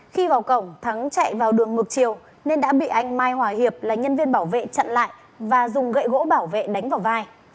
khi vào cổng thắng chạy vào đường ngược chiều nên đã bị anh mai hòa hiệp là nhân viên bảo vệ chặn lại và dùng gậy gỗ bảo vệ đánh vào vai